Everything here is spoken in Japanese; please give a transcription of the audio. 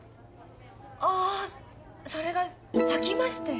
あそれが咲きまして。